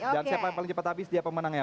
dan siapa yang paling cepat habis dia pemenangnya